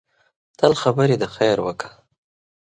تل خبرې د خیر وکړه